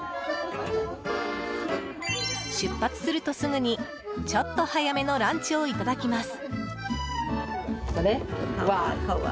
出発するとすぐにちょっと早めのランチをいただきます。